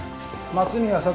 松宮聡